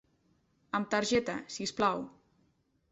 Amb targeta, si us plau.